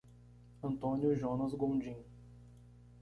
Antônio Jonas Gondim